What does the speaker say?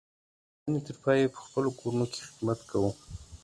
د ازموینې تر پایه یې په خپلو کورونو کې خدمت کوو.